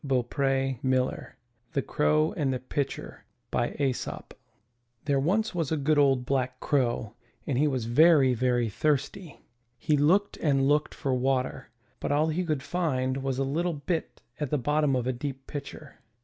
129 MY BOOK HOUSE THE CROW AND THE PITCHER Adapted from Aesop There was once a good old black Crow and he was very, very thirsty. He looked and looked for water, but all he could find was a little bit at the bottom of a deep pitcher.